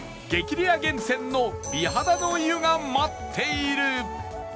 レア源泉の美肌の湯が待っている